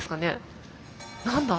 何だ？